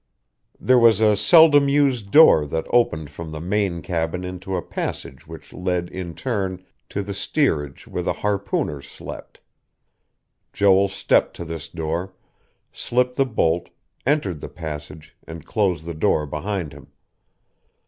There was a seldom used door that opened from the main cabin into a passage which led in turn to the steerage where the harpooners slept. Joel stepped to this door, slipped the bolt, entered the passage, and closed the door behind him.